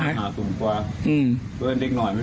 ส่วนหน้า